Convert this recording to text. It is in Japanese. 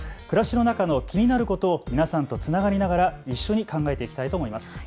暮らしの中の気になることを皆さんとつながりながら一緒に考えていきたいと思います。